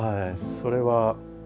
それは。